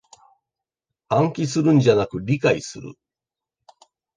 暗記するんじゃなく理解する